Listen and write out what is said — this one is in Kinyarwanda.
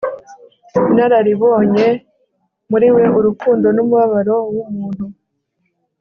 inararibonye muri we urukundo numubabaro wumuntu